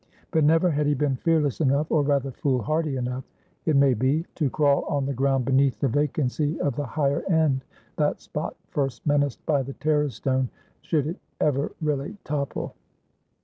But never had he been fearless enough or rather fool hardy enough, it may be, to crawl on the ground beneath the vacancy of the higher end; that spot first menaced by the Terror Stone should it ever really topple.